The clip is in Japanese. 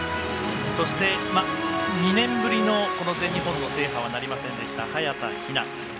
そして、２年ぶりの全日本の制覇はなりませんでした早田ひな。